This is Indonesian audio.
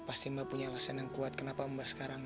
pasti mba punya alasan yang kuat kenapa mba sekarang